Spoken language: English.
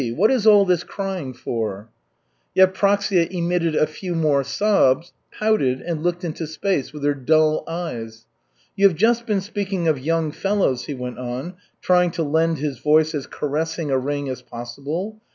What is all this crying for?" Yevpraksia emitted a few more sobs, pouted and looked into space with her dull eyes. "You have just been speaking of young fellows," he went on, trying to lend his voice as caressing a ring as possible.